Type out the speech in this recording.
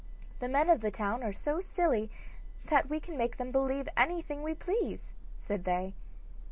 'The men of the town are so silly that we can make them believe anything we please,' said they.